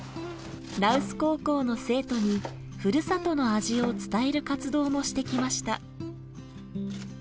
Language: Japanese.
羅臼高校の生徒にふるさとの味を伝える活動もしてきました。